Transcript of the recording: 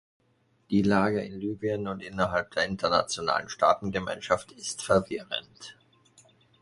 Die Lage in Libyen und innerhalb der internationalen Staatengemeinschaft ist verwirrend.